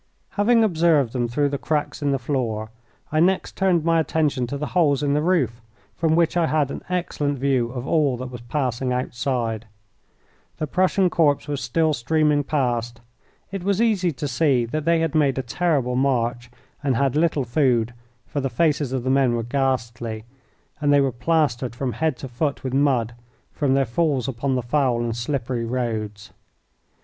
Having observed them through the cracks in the floor, I next turned my attention to the holes in the roof, from which I had an excellent view of all that was passing outside. The Prussian corps was still streaming past. It was easy to see that they had made a terrible march and had little food, for the faces of the men were ghastly, and they were plastered from head to foot with mud from their falls upon the foul and slippery roads.